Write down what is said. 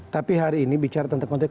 tapi hari ini bicara tentang konteks